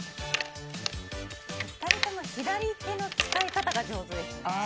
２人とも左手の使い方が上手ですね。